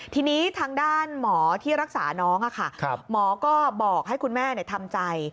ทีนี้ทางด้านหมอที่รักษาน้องหมอก็บอกให้คุณแม่ทำใจ